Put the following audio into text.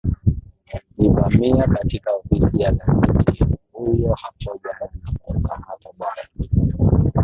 iivamia katika ofisi ya gazeti huyo hapo jana na kumkamata bwana